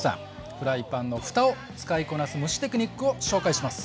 フライパンのふたを使いこなす蒸しテクニックを紹介します。